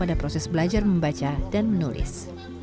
pada proses belajar membaca dan menulis